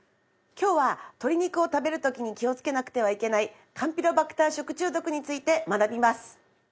今日は鶏肉を食べる時に気をつけなくてはいけないカンピロバクター食中毒について学びます。